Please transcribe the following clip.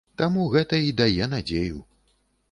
Таму гэта і дае надзею.